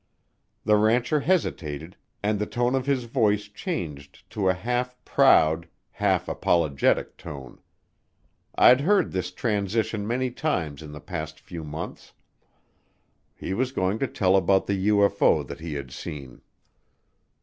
The rancher hesitated and the tone of his voice changed to a half proud, half apologetic tone. I'd heard this transition many times in the past few months; he was going to tell about the UFO that he had seen.